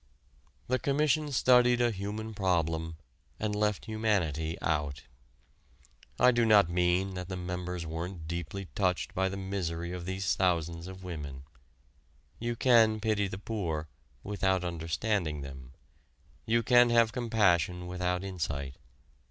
The Commission studied a human problem and left humanity out. I do not mean that the members weren't deeply touched by the misery of these thousands of women. You can pity the poor without understanding them; you can have compassion without insight.